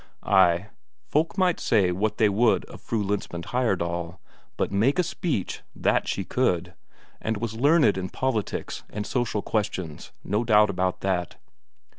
Ay, folk might say what they would of Fru Lensmand Heyerdahl, but make a speech, that she could, and was learned in politics and social questions, no doubt about that.